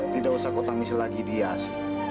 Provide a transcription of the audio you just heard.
tidak usah kau tangis lagi dias